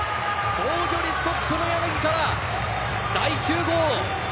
防御率トップの柳から第９号！